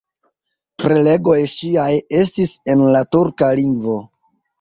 Prelegoj ŝiaj estis en la turka lingvo.